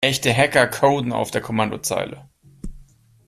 Echte Hacker coden auf der Kommandozeile.